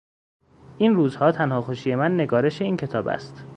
این روزها تنها خوشی من نگارش این کتاب است.